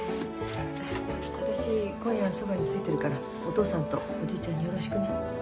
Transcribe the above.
私今夜はそばについてるからお父さんとおじいちゃんによろしくね。